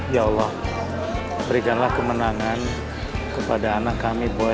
ya allah berikanlah kemenangan kepada anak kami bahwa